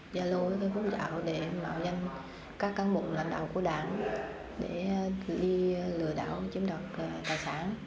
gia lối hút ảo để mạo danh các cán bụng lãnh đạo của đảng để đi lừa đảo chiếm đọc tài sản